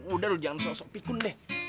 udah lu jangan sok sok pikun deh